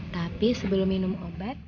tapi sebelum minum obat